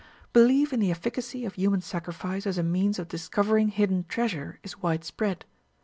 Belief in the efficacy of human sacrifice as a means of discovering hidden treasure is widespread.